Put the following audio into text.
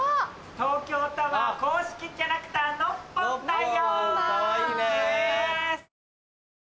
東京タワー公式キャラクターノッポンだよ。